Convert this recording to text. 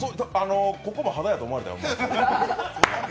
ここも肌やと思われた。